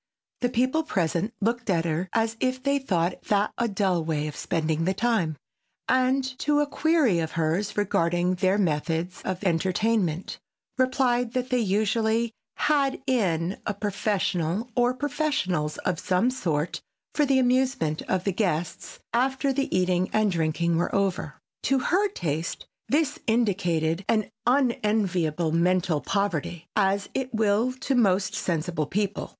The people present looked at her as if they thought that a dull way of spending the time, and to a query of hers regarding their methods of entertainment, replied that they usually "had in" a professional or professionals of some sort for the amusement of the guests after the eating and drinking were over. To her taste this indicated an unenviable mental poverty, as it will to most sensible people.